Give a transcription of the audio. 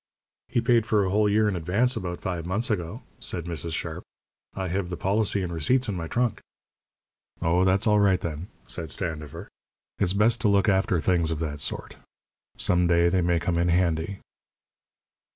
"He paid for a whole year in advance about five months ago," said Mrs. Sharp. "I have the policy and receipts in my trunk." "Oh, that's all right, then," said Standifer. "It's best to look after things of that sort. Some day they may come in handy."